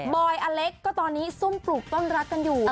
อยอเล็กก็ตอนนี้ซุ่มปลูกต้นรักกันอยู่